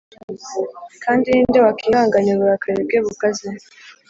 Kandi ni nde wakwihanganira uburakari bwe bukaze?